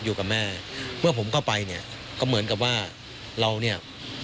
อยู่กับแม่เมื่อผมเข้าไปเนี่ยก็เหมือนกับว่าเราเนี่ย